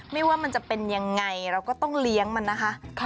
ไม่ว่ามันจะเป็นยังไงเราก็ต้องเลี้ยงมันนะคะ